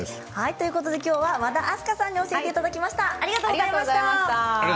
きょうは和田明日香さんに教えていただきました。